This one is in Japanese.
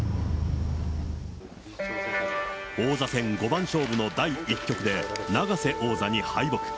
王座戦五番勝負の第１局で、永瀬王座に敗北。